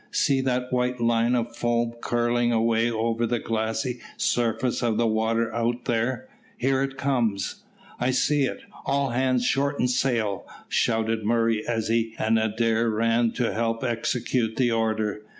"See that white line of foam curling away over the glassy surface of the water out there. Here it comes." "I see it. All hands shorten sail!" shouted Murray, as he and Adair ran to help execute the order.